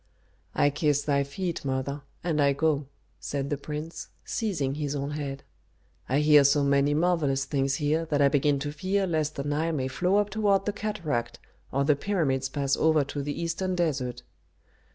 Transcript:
"I kiss thy feet, mother, and I go," said the prince, seizing his own head. "I hear so many marvellous things here that I begin to fear lest the Nile may flow up toward the cataract, or the pyramids pass over to the eastern desert."